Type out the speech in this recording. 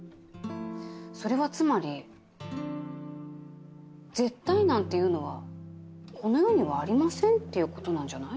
それはつまり絶対なんていうのはこの世にはありませんっていうことなんじゃない？